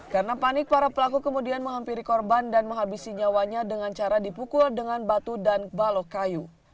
karena panik para pelaku kemudian menghampiri korban dan menghabisi nyawanya dengan cara dipukul dengan batu dan balok kayu